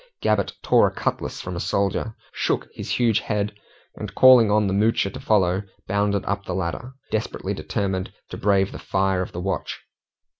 Gabbett tore a cutlass from a soldier, shook his huge head, and calling on the Moocher to follow, bounded up the ladder, desperately determined to brave the fire of the watch.